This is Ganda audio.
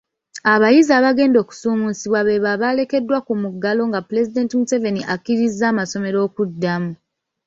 Abayizi abagenda okusuumusibwa beebo abaalekeddwa ku muggalo nga Pulezidenti Museveni akkiriza amasomero okuddamu .